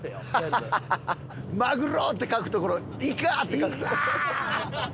「マグロ！」って書くところを「イカ！」って書く？